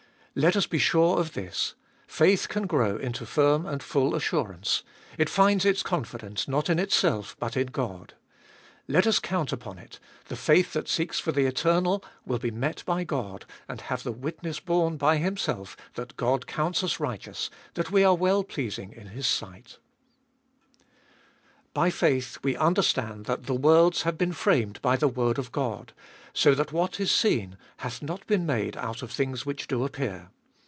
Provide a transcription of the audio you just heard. Let us be sure of this : faith can grow into firm and full assurance, it finds its confidence not in itself but in God. Let us count upon it, the faith that seeks for the eternal will be met by God and have the witness borne by Himself that God counts us righteous, that we are well pleasing in His sight. 424 abe Tboliest of 2UI By faith we understand that the worlds have been framed by the word of God, so that what is seen hath not been made out of things which do appear.